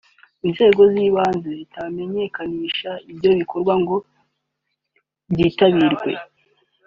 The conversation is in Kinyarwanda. inzego z’ibanze zitamenyekanisha ibyo bikorwa ngo byitabirwe